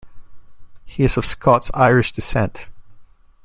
He is of Scots-Irish descent.